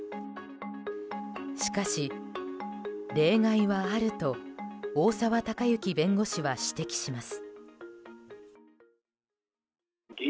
しかし、例外はあると大澤孝征弁護士は指摘します。